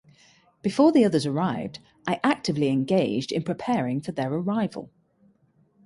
Before the others arrived, I actively engaged in preparing for their arrival.